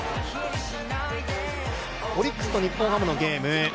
オリックスと日本ハムのゲーム